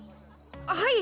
はい。